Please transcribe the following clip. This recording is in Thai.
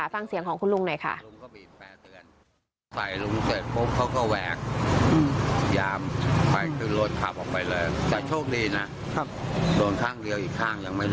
ฟังเสียงของคุณลุงหน่อยค่ะ